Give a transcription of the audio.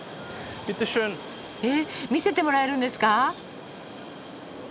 えっ見せてもらえるんですか！？